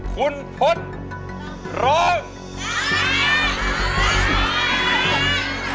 คุณพลร้อง